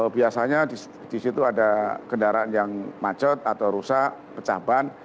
biasanya di situ ada kendaraan yang macet atau rusak pecah ban